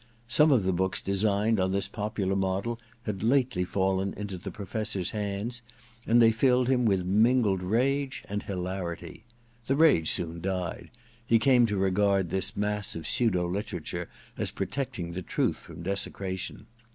Some of the books designed on this popular model had lately fallen into the Professor's hands, and they filled him with mingled rage and hilarity. The rage soon died : he came to regard this mass of pseudo literature as protecting the truth from desecra tion.